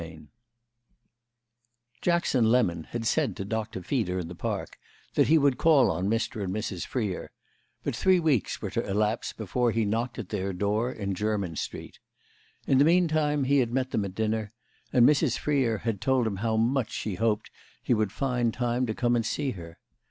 IV Jackson Lemon had said to Dr. Feeder in the Park that he would call on Mr. and Mrs. Freer; but three weeks were to elapse before he knocked at their door in Jermyn Street. In the meantime he had met them at dinner and Mrs. Freer had told him how much she hoped he would find time to come and see her.